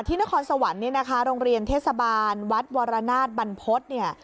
ที่นครสวรรค์นี่นะคะโรงเรียนเทศบาลวัดวรรณาชบรรพฤติ